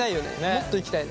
もっといきたいね。